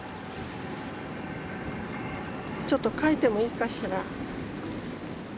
ちょっと描いてもいいかしら。